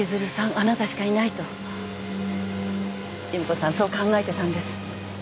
あなたしかいないと夕美子さんそう考えてたんです。